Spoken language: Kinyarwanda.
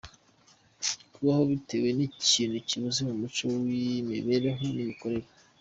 Kabaho bitewe n'ikintu kibuze mu muco w'imibereho n'imikorere.